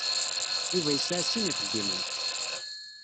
Yuba yesɛa sin n yixeddimen.